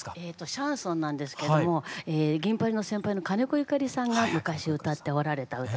シャンソンなんですけども「銀巴里」の先輩の金子由香利さんが昔歌っておられた歌で。